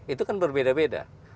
itu kan berbeda beda